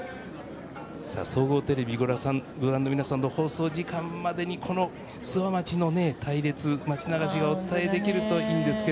総合テレビをご覧になっている方に放送時間までに、諏訪町の隊列町流しがお伝えできるといいんですが。